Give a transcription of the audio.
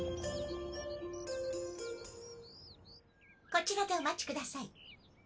こちらでお待ちください。